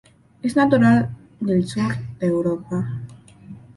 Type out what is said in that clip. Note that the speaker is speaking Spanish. Es natural del sur de Europa.